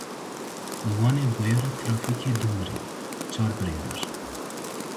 Li Wanê bûyera trafîkê du mirî, çar birîndar.